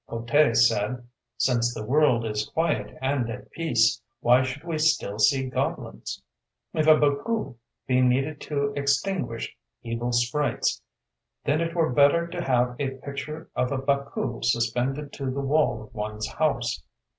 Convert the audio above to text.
Kōtei said: 'Since the world is quiet and at peace, why should we still see goblins? If a Baku be needed to extinguish evil sprites, then it were better to have a picture of the Baku suspended to the wall of one's house.